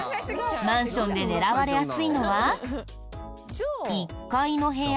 マンションで狙われやすいのは１階の部屋？